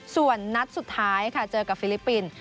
ส่วนนัดสุดท้ายค่ะเจอกับฟิลิปปินส์